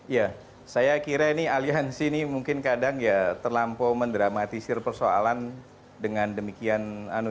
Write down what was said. ya saya kira ini aliansi ini mungkin kadang ya terlampau mendramatisir persoalan dengan demikian